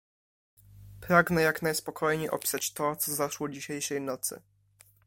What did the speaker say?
"Pragnę jak najspokojniej opisać to, co zaszło dzisiejszej nocy."